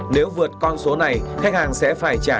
nếu vượt con số này khách hàng sẽ phải trả